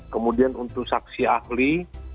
kemudian untuk saksi ahli